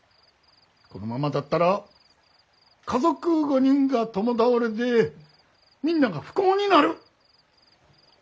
このままだったら家族５人が共倒れでみんなが不幸になる。